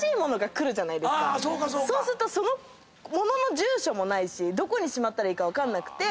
そうするとその物の住所もないしどこにしまったらいいか分かんなくて。